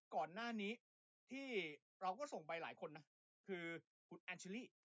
ก่อนหน้านี้ที่เราก็ส่งไปหลายคนนะคือคุณแอนชิลี่